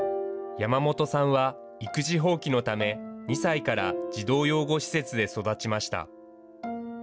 山本さんは育児放棄のため、２歳から児童養護施設で育ちました。